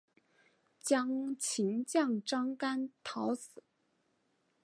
被秦将章邯讨死。